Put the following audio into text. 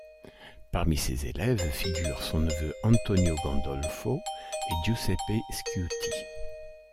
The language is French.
Parmi ses élèves figurent son neveu Antonino Gandolfo et Giuseppe Sciuti.